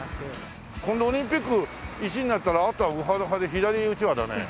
これでオリンピック１位になったらあとはウハウハで左うちわだねえ。